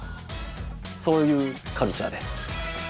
そういうカルチャーです。